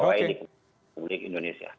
di kementerian publik indonesia